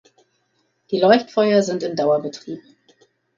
Die Leuchtfeuer sind im Dauerbetrieb.